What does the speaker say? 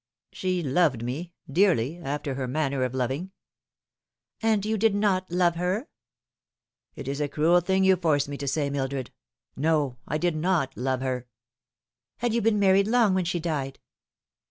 " She loved me dearly after her manner of loving." " And you did not love her ?" "It is a cruel thing you force me to say, Mildred. No, I did not love her." " Had you been married long when she died